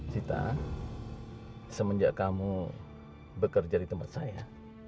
sita semenjak kamu bekerja di tempat saya